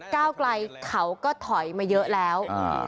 ก้าวไกลเขาก็ถอยมาเยอะแล้ว